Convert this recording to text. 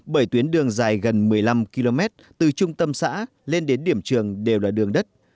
bởi tuyến đường dài gần một mươi năm km từ trung tâm xã lên đến điểm trường đều là đường đất